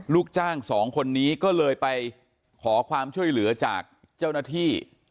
ลูกจ้างสองคนนี้ก็เลยไปขอความช่วยเหลือจากเจ้าหน้าที่